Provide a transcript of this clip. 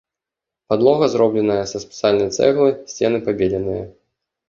Падлога зробленая са спецыяльнай цэглы, сцены пабеленыя.